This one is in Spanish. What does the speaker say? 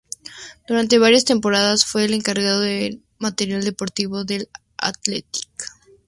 Durante varias temporadas fue el encargado del material deportivo del Athletic.